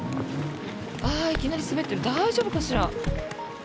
いきなり滑ってる大丈夫かしら。